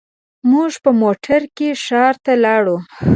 موږ په موټر کې ښار ته لاړو.